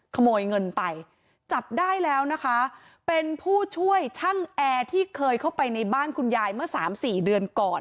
ขโมยเงินไปจับได้แล้วนะคะเป็นผู้ช่วยช่างแอร์ที่เคยเข้าไปในบ้านคุณยายเมื่อสามสี่เดือนก่อน